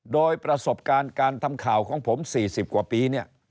โดยประสบการณ์การทำข่าวของผม๔๐กว่าปีเนี่ย